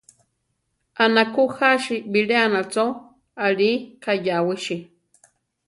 Anakú jási biléana cho alí kayawísi.